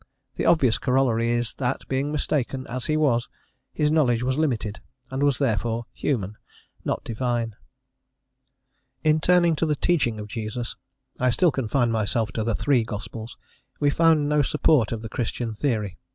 The obvious corollary is, that being mistaken as he was his knowledge was limited, and was therefore human, not divine. * See Appendix, page 12. In turning to the teaching of Jesus (I still confine myself to the three gospels), we find no support of the Christian theory.